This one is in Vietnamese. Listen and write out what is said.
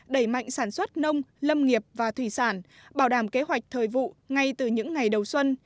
đẩy mạnh sản xuất nông lâm nghiệp và thủy sản bảo đảm kế hoạch thời vụ ngay từ những ngày đầu xuân